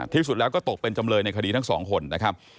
ที่สุดแล้วก็ตกเป็นจำเลยในคดีทั้งสองคนนะครับ